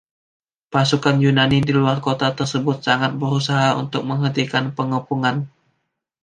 Pasukan Yunani di luar kota tersebut sangat berusaha untuk menghentikan pengepungan.